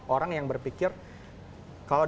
orang yang berpikir kalau